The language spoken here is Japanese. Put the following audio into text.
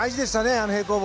あの平行棒。